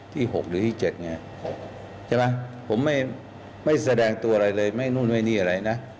ที่๖หรือที่๗เนี่ยใช่ไหมผมไม่แสดงตัวอะไรเลยไม่นู่นไม่นี่อะไรนะ